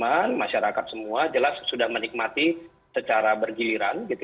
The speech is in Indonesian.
jadi teman teman masyarakat semua jelas sudah menikmati secara bergiliran